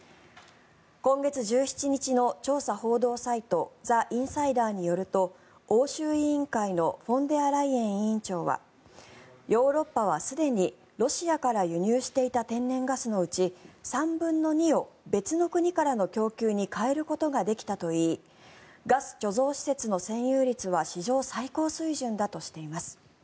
今月１７日の調査報道サイトザ・インサイダーによると欧州委員会のフォンデアライエン委員長はヨーロッパはすでにロシアから輸入していた天然ガスのうち３分の２を別の国からの供給に替えることができたといいガス貯蔵施設の占有率は史上最高水準だとしています。